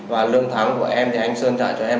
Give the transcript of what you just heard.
và lương tháng của em thì anh sơn dạy cho em